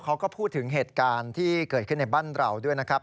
เขาก็พูดถึงเหตุการณ์ที่เกิดขึ้นในบ้านเราด้วยนะครับ